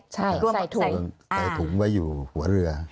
ใช่ใส่ถุงไว้อยู่หัวเรือ